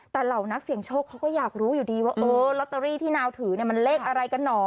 แต่เหล่านักเสี่ยงโชคเขาก็อยากรู้อยู่ดีว่าเออลอตเตอรี่ที่นาวถือเนี่ยมันเลขอะไรกันเหรอ